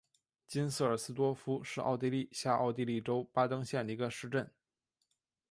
金瑟尔斯多夫是奥地利下奥地利州巴登县的一个市镇。